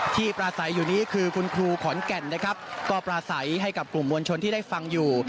ประสัยอยู่นี้คือคุณครูขอนแก่นนะครับก็ปราศัยให้กับกลุ่มมวลชนที่ได้ฟังอยู่